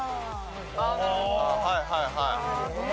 ああはいはいはい。